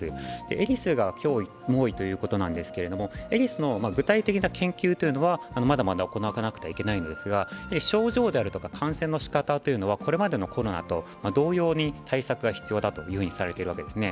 エリスが脅威、猛威ということなんですけどエリスの具体的な研究というのは、まだまだ行わなければいけないんですが症状であるとか感染のしかたというのはこれまでのコロナと同様に対策が必要だとされているわけですね。